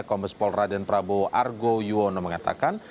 kompes polraden prabowo argo yuwono mengatakan